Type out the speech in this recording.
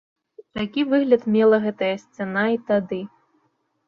Такі выгляд мела гэтая сцяна і тады.